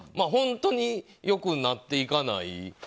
本当に良くなっていかない。